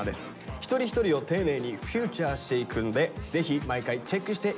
一人一人を丁寧にフィーチャーしていくんでぜひ毎回チェックして頂きたいと思います。